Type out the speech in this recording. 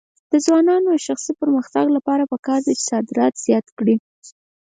د ځوانانو د شخصي پرمختګ لپاره پکار ده چې صادرات زیات کړي.